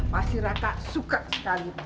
masih raka suka sekali